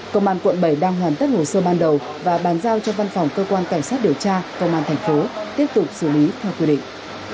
công an quận bảy đang hoàn tất hồ sơ ban đầu và bàn giao cho văn phòng cơ quan cảnh sát điều tra công an thành phố tiếp tục xử lý theo quy định